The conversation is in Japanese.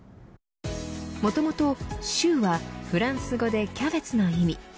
もともと、シューはフランス語でキャベツの意味。